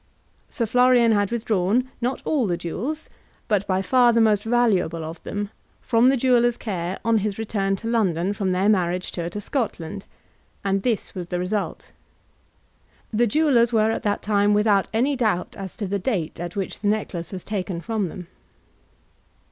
Sir Florian had withdrawn, not all the jewels, but by far the most valuable of them, from the jewellers' care on his return to London from their marriage tour to Scotland, and this was the result. The jewellers were at that time without any doubt as to the date at which the necklace was taken from them.